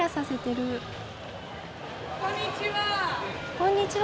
こんにちは。